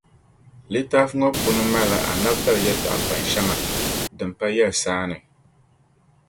Litaafi ŋɔ puuni malila anabitali yɛtɔɣ’ kpan’ shɛŋa din pa yɛlisaani.